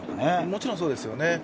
もちろんそうですよね。